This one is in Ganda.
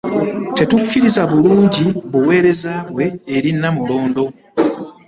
Tujjukira bulungi obuweereza bwe eri Nnamulondo